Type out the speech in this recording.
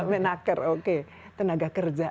menaker oke tenaga kerja